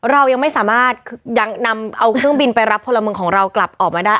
เรายังไม่สามารถยังนำเอาเครื่องบินไปรับพลเมืองของเรากลับออกมาได้